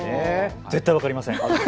絶対分かりません。